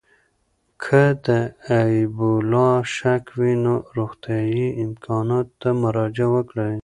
که د اېبولا شک وي، روغتیايي امکاناتو ته مراجعه وکړئ.